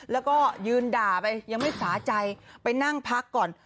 แล้วก็ยืนด่าไปยังไม่สาใจไปนั่งพักก่อน